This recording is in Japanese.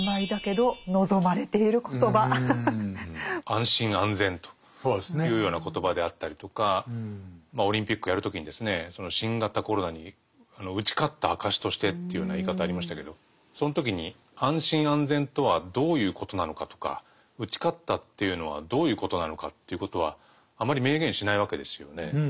「安心・安全」というような言葉であったりとかオリンピックやる時に「新型コロナに打ち勝った証として」というような言い方ありましたけどその時に安心・安全とはどういうことなのかとか打ち勝ったというのはどういうことなのかということはあまり明言しないわけですよね。